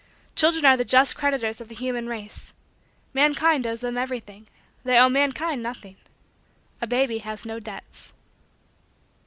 Children are the just creditors of the human race. Mankind owes them everything. They owe mankind nothing. A baby has no debts.